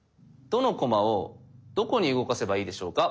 どの駒をどこに動かせばいいでしょうか？